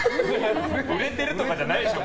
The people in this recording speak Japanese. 売れてるとかじゃないでしょ。